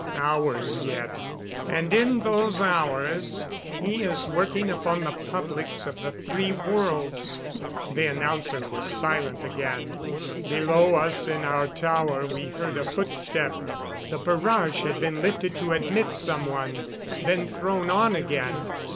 Hours yet. And in those hours, he is working upon the publics of the three worlds." The announcer was silent again. Below us, in our tower, we heard a footstep. The barrage had been lifted to admit someone, then thrown on again.